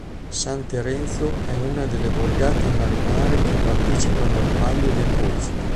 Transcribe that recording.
San Terenzo è una delle borgate marinare che partecipano al Palio del Golfo.